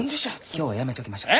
今日はやめちょきましょう。